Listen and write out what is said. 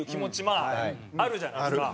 まああるじゃないですか。